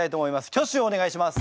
挙手をお願いします。